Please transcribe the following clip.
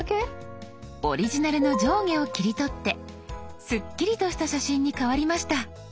オリジナルの上下を切り取ってスッキリとした写真に変わりました。